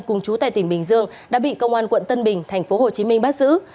cùng chú tại tỉnh bình dương đã bị công an quận tân bình tp hcm bắt giữ